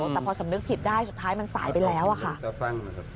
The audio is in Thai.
แต่พอสำนึกผิดได้สุดท้ายมันสายไปแล้วอะค่ะ